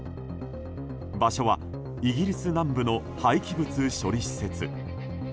場所はイギリス南部の廃棄物処理施設。